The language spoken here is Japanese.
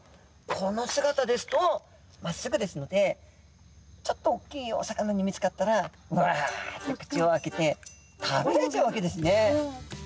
この姿ですとまっすぐですのでちょっと大きいお魚に見つかったらわっと口を開けて食べられちゃうわけですね。